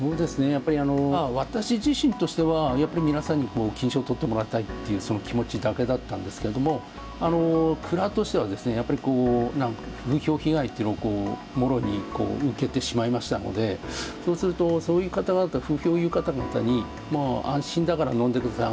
やっぱりあの私自身としてはやっぱり皆さんに金賞を取ってもらいたいっていうその気持ちだけだったんですけれども蔵としてはやっぱり風評被害っていうのをもろに受けてしまいましたのでそうするとそういう方々風評を言う方々にもう安心だから飲んでください